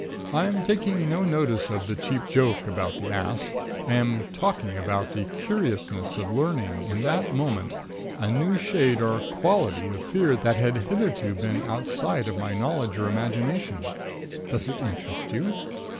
I'm taking no notice of the cheap joke about the ass! I am talking about the curiousness of learning in that moment a new shade or quality of fear that had hitherto been outside of my knowledge or imagination. Does it interest you?